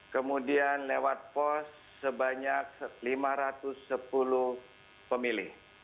kemudian lewat pos sebanyak lima ratus sepuluh pemilih